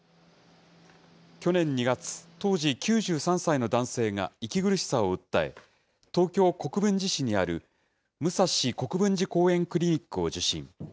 去年２月、当時９３歳の男性が息苦しさを訴え、東京・国分寺市にある武蔵国分寺公園クリニックを受診。